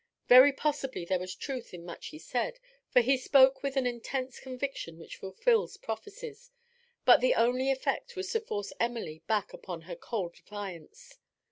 Very possibly there was truth in much that he said, for he spoke with the intense conviction which fulfils prophecies. But the only effect was to force Emily back upon her cold defiance.